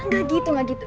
gak gitu gak gitu